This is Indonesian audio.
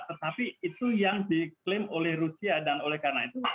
tetapi itu yang diklaim oleh rusia dan oleh karena itu